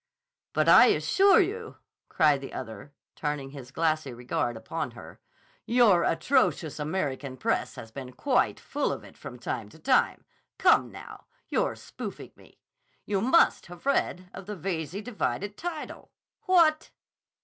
"But I assuah you," cried the other, turning his glassy regard upon her, "your atrocious American press has been quite full of it from time to time. Come, now! You're spoofing me. You must have read of the Veyze divided title. What?"